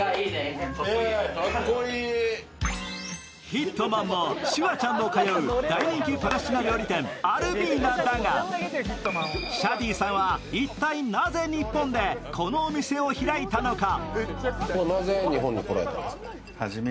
ヒットマンもシュワちゃんも通う大人気パレスチナ料理店、アルミーナだがシャディさんは一体なぜ日本でこのお店を開いたのか。